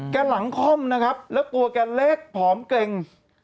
หลังค่อมนะครับแล้วตัวแกเล็กผอมเกร็ง